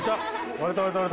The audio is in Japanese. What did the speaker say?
割れた割れた。